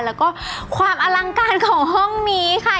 แล้วก็ความอลังการของห้องนี้ค่ะ